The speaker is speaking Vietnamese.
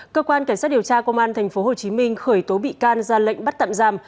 cơ quan cảnh sát điều tra công an tp hcm khởi tố bị can ra lệnh bắt tạm giam